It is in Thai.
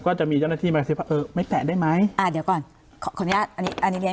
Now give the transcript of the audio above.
ก็จะมีเจ้านักศิลปะเออไม่แตะได้ไหมอ่ะเดี๋ยวก่อนขออนุญาตอันนี้อันนี้